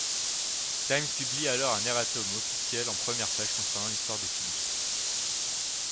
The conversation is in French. Times publie alors un erratum officiel en première page concernant l'histoire de Philips.